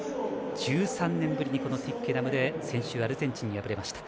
１３年ぶりにこのトゥイッケナムで先週、アルゼンチンに敗れました。